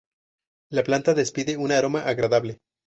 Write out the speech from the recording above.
La planta despide un aroma agradable.